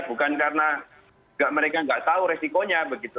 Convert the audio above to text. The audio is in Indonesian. bukan karena mereka nggak tahu resikonya begitu